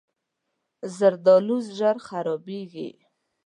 زردالو ژر خرابېږي.